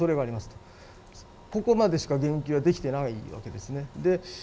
とここまでしか言及はできていないわけですね。